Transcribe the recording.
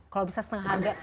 kalau bisa setengah harga